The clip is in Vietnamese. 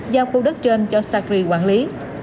giao khu đất trên cho sacri quản lý